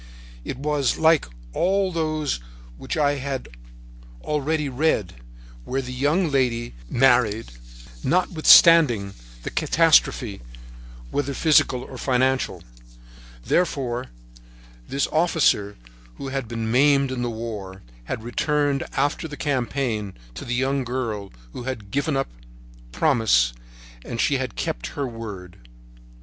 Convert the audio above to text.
It was like all those which I had already read, where the young lady married notwithstanding the catastrophe, whether physical or financial; therefore, this officer who had been maimed in the war had returned, after the campaign, to the young girl who had given him her promise, and she had kept her word.